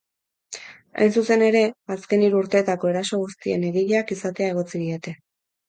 Hain zuzen ere, azken hiru urteetako eraso guztien egileak izatea egotzi diete.